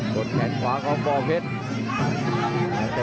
แขนขวาของบ่อเพชร